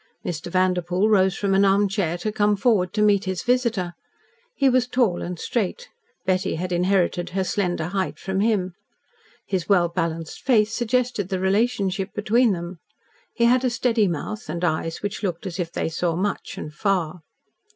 Mr. Vanderpoel rose from an armchair to come forward to meet his visitor. He was tall and straight Betty had inherited her slender height from him. His well balanced face suggested the relationship between them. He had a steady mouth, and eyes which looked as if they saw much and far.